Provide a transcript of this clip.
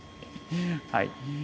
はい。